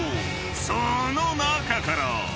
［その中から］